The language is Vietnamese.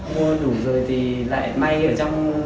mua đủ rồi thì lại may ở trong